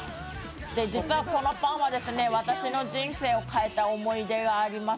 実はこのパンは私の人生を変えた思い出があります。